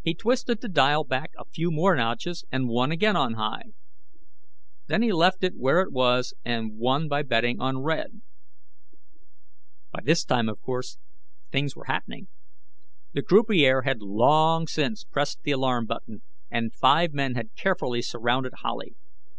He twisted the dial back a few more notches and won again on High. Then he left it where it was and won by betting on Red. By this time, of course, things were happening. The croupier had long since pressed the alarm button, and five men had carefully surrounded Howley.